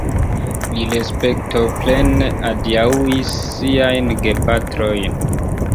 Li respektoplene adiaŭis siajn gepatrojn.